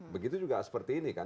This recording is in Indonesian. begitu juga seperti ini kan